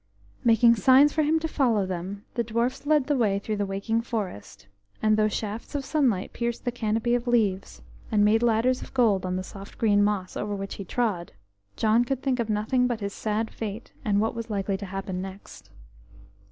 Making signs for him to follow them, the dwarfs led the way through the waking forest, and though shafts of sunlight pierced the canopy of leaves, and made ladders of gold on the soft green moss over which he trod, John could think of nothing but his sad fate, and what was likely to happen next.